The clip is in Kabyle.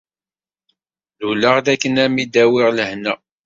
Luleɣ-d akken ad m-id-awiɣ lehna.